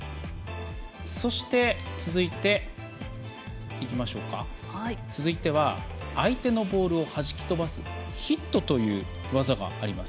そして、続いては相手のボールをはじき飛ばすヒットという技があります。